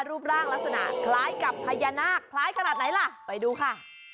รูปร่างลักษณะคล้ายกับพญานาคคล้ายขนาดไหนล่ะไปดูค่ะ